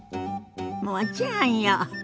もちろんよ。